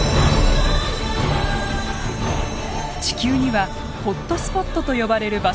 地球にはホットスポットと呼ばれる場所があります。